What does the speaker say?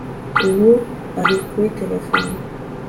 Ubu ari kuri terefone